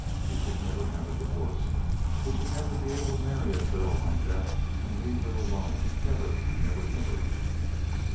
He should never have a divorce! He should never be able to marry a girl like that and leave her alone—never, never, never!